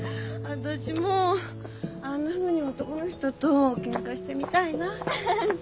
私もあんなふうに男の人とケンカしてみたいな。